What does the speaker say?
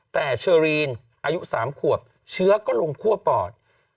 แต่เชอรีนอายุ๓ขวบเชื้อก็ลงคั่วปอด